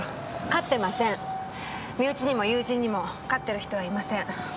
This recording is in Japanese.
身内にも友人にも飼ってる人はいません。